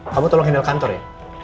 kamu tolong handle kantor ya